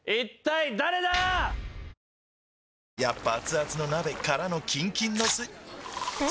やっぱアツアツの鍋からのキンキンのスん？